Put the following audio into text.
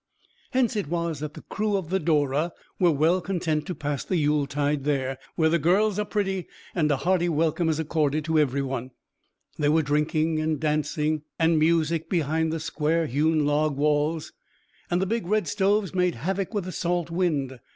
Hence it was that the crew of the Dora were well content to pass the Yuletide there, where the girls are pretty and a hearty welcome is accorded to every one. There were drinking and dancing and music behind the square hewn log walls, and the big red stoves made havoc with the salt wind.